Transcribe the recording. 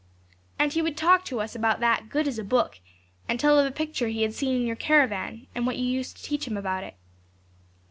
'And he would talk to us about that as good as a book, and tell of a picture he had seen in your caravan, and what you used to teach him about it.